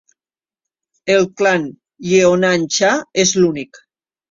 El clan Yeonan Cha és l'únic.